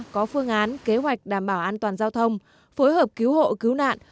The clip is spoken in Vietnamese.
có phương án kế hoạch đảm bảo an toàn giao thông phối hợp cứu hộ cứu nạn